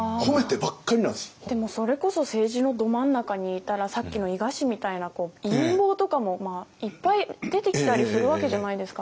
でもそれこそ政治のど真ん中にいたらさっきの伊賀氏みたいな陰謀とかもいっぱい出てきたりするわけじゃないですか。